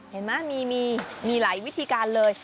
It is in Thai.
เห็นไหมมีหลายวิธีการเลย